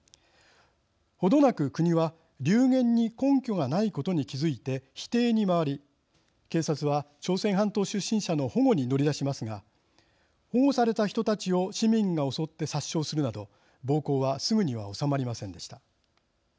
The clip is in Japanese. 程なく国は流言に根拠がないことに気付いて否定に回り警察は朝鮮半島出身者の保護に乗り出しますが保護された人たちを市民が襲って殺傷するなど暴行はすぐには収まりませんでした。